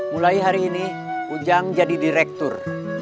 mulai hari ini ujang jadi direktur